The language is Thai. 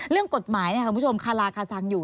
เรื่องกฎหมายคุณผู้ชมคาราคาซังอยู่